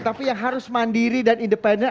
tapi yang harus mandiri dan independen